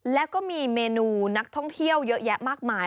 แล้วก็มีเมนูนักท่องเที่ยวเยอะแยะมากมาย